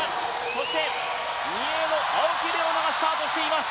そして２泳の青木玲緒樹がスタートしています。